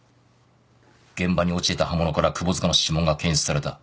現場に落ちていた刃物から窪塚の指紋が検出された。